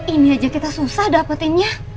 ini aja kita susah dapetinnya